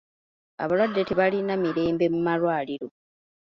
Abalwadde tebalina mirembe mu malwaliro.